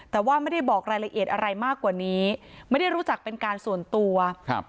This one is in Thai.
แต่ว่าไม่ได้บอกรายละเอียดอะไรมากกว่านี้ไม่ได้รู้จักเป็นการส่วนตัวครับ